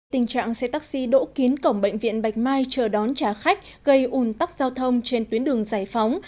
tình trạng xe taxi đỗ kín cổng bệnh viện bạch mai chờ đón trả khách gây ủn tắc giao thông trên tuyến đường giải phóng